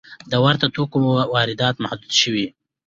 د ورته توکو واردات محدود شوي؟